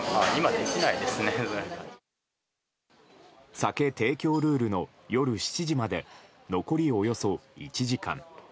酒提供ルールの夜７時まで残りおよそ１時間。